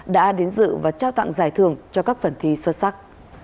đã đến dự và trao tặng giải thưởng cho các phần thi xuất sắc